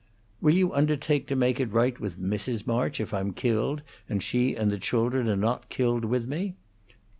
"Will you undertake to make it right with Mrs. March if I'm killed and she and the children are not killed with me?"